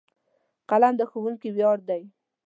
قلم د ښوونکي ویاړ دی.